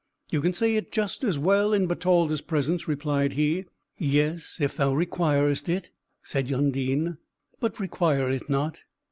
"You can say it just as well in Bertalda's presence," replied he. "Yes, if thou requirest it," said Undine, "but require it not."